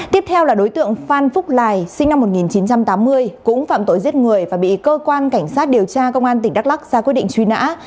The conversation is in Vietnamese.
tiếp theo là đối tượng phan phúc lài sinh năm một nghìn chín trăm tám mươi cũng phạm tội giết người và bị cơ quan cảnh sát điều tra công an tỉnh đắk lắc ra quyết định truy nã